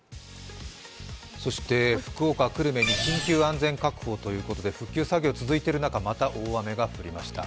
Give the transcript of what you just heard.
そして福岡・久留米に緊急安全確保ということで復旧作業が続いている中、また大雨が降りました。